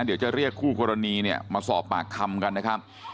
เดี๋ยวจะเรียกคู่กรณีเนี่ยมาสอบปากคำกันนะครับ